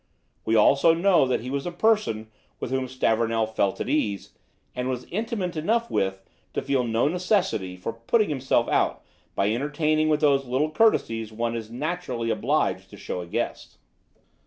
We also know that he was a person with whom Stavornell felt at ease, and was intimate enough with to feel no necessity for putting himself out by entertaining with those little courtesies one is naturally obliged to show a guest."